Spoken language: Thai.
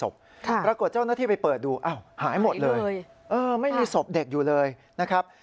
ปรากฏเจ้าหน้าที่ไปเปิดดูอ้าวหายหมดเลยไม่มีศพเด็กอยู่เลยนะครับ